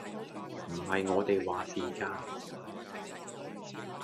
唔係我哋話事㗎